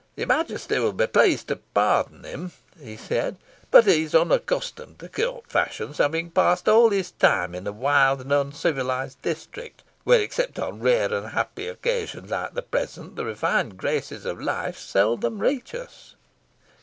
"Your Majesty will be pleased to pardon him," he said; "but he is unaccustomed to court fashions, having passed all his time in a wild and uncivilized district, where, except on rare and happy occasions like the present, the refined graces of life seldom reach us."